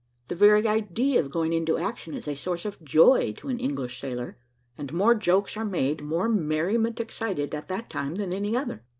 The very idea of going into action is a source of joy to an English sailor, and more jokes are made, more merriment excited, at that time than any other.